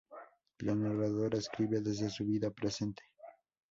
La narradora escribe desde su vida presente.